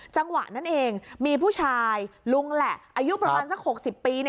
จังหวะนั้นเองมีผู้ชายลุงแหละอายุประมาณสัก๖๐ปี